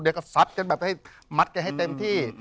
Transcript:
เดี๋ยวก็ซัดกันแบบให้มัดแกให้เต็มที่